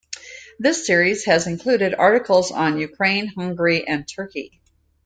This series has included articles on Ukraine, Hungary and Turkey.